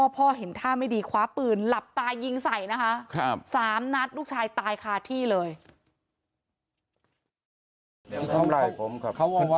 พ่อเห็นท่าไม่ดีขวาปืนหลับตายิงใส่นะคะ